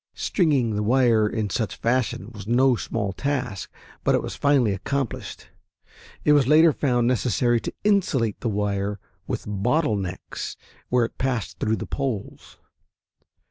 Stringing the wire in such fashion was no small task, but it was finally accomplished. It was later found necessary to insulate the wire with bottle necks where it passed through the poles.